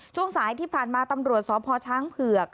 ช่วงสายที่ผ่านมาตำรวจสพช้างเผือก